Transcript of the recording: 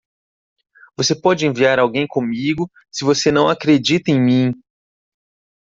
Você pode enviar alguém comigo se você não acredita em mim!